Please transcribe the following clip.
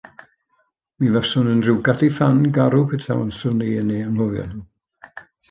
Mi faswn yn rhyw gadi ffan garw petaswn i yn eu hanghofio nhw.